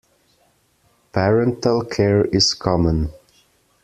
Parental care is common.